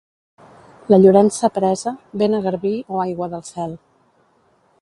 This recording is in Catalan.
La Llorença presa, vent a garbí o aigua del cel.